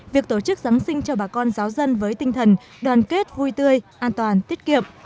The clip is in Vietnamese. việc tổ chức giáng sinh cho bà con giáo dân với tinh thần đoàn kết vui tươi an toàn tiết kiệm